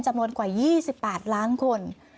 จำนวนกว่า๒๘ล้านคน